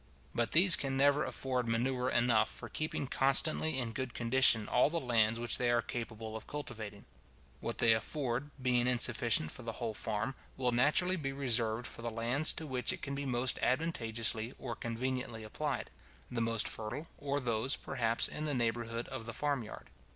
But these can never afford manure enough for keeping constantly in good condition all the lands which they are capable of cultivating. What they afford, being insufficient for the whole farm, will naturally be reserved for the lands to which it can be most advantageously or conveniently applied; the most fertile, or those, perhaps, in the neighbourhood of the farm yard.